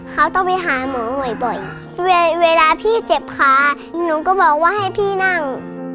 เขาต้องไปหาหมอบ่อยเวลาพี่เจ็บขาหนูก็บอกว่าให้พี่นั่ง